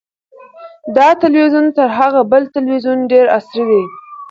دا تلویزیون تر هغه بل تلویزیون ډېر عصري دی.